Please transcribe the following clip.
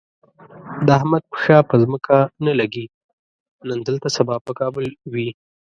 د احمد پښه په ځمکه نه لږي، نن دلته سبا په کابل وي.